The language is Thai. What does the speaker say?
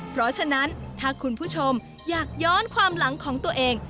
เพราะฉะนั้นถ้าคุณผู้ชมอยากย้อนความหลังของตัวเอง